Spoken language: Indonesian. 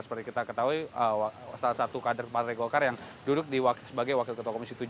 seperti kita ketahui salah satu kader partai golkar yang duduk sebagai wakil ketua komisi tujuh